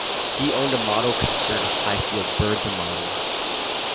He owned a model concern Highfield Birds and Models.